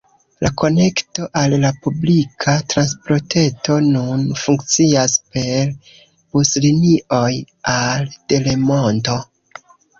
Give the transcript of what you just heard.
La konekto al la publika transportreto nun funkcias per buslinioj al Delemonto.